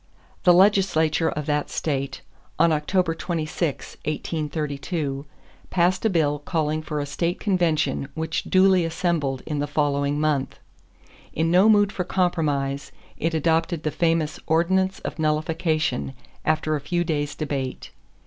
_ The legislature of that state, on October 26, 1832, passed a bill calling for a state convention which duly assembled in the following month. In no mood for compromise, it adopted the famous Ordinance of Nullification after a few days' debate.